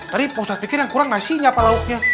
tadi pak ustadz pikir yang kurang nasinya apa lauknya